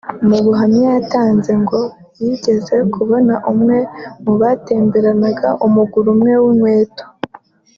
Mu buhamya yatanze ngo yigeze kubona umwe mu batemberanaga umuguru umwe w’inkweto